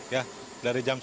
ya dari jam satu